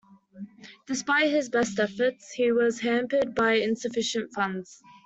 Despite his best efforts, he was hampered by insufficient funds.